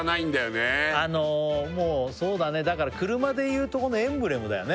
なるとあのもうそうだねだから車でいうとこのエンブレムだよね